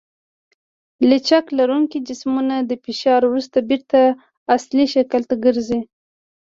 لچک لرونکي جسمونه د فشار وروسته بېرته اصلي شکل ته ګرځي.